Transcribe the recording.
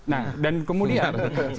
nah dan kemudian